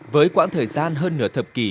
với quãng thời gian hơn nửa thập kỷ